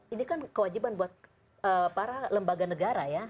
ini kan kewajiban buat para lembaga negara ya